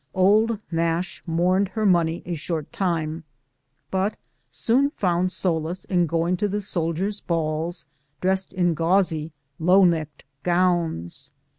"Old Nash" mourned her money a short time, but soon found solace in going to 200 BOOTS AND SADDLES. the soldiers' balls dressed in gauzy, low necked gowns.